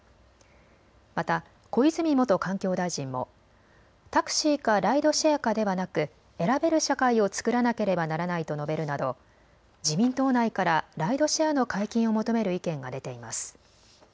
また小泉元環境大臣もタクシーかライドシェアかではなく選べる社会をつくらなければならないと述べるなど自民党内からライドシェアの解禁を求める意見が出ています。